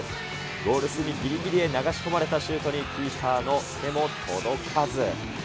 ゴール隅ぎりぎりへ流し込まれたシュートに、キーパーの手も届かず。